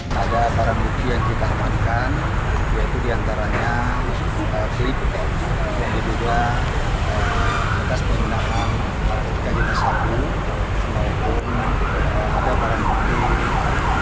saat ini penyidik masih melakukan pemeriksaan intensif kepada keduanya terkait kepemilikan barang haram tersebut